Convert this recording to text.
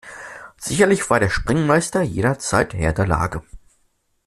Sicherlich war der Sprengmeister jederzeit Herr der Lage.